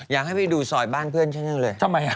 อยากให้ไปดูซอยบ้านเพื่อนฉันจังเลย